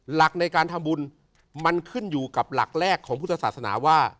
หลักในการทำบุญมันขึ้นอยู่กับหลักแรกของพุทธศาสนาว่า